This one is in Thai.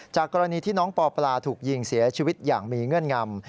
กรณีที่น้องปอปลาถูกยิงเสียชีวิตอย่างมีเงื่อนงำ